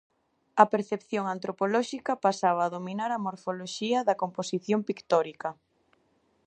A percepción antropolóxica pasaba a dominar a morfoloxía da composición pictórica.